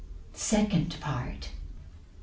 Second Part. S.